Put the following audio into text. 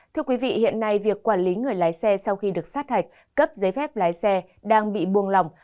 thưa quý vị hiện nay việc quản lý người lái xe sau khi được sát hạch cấp giấy phép lái xe đang bị buông lỏng